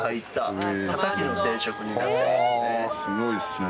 すごいっすね。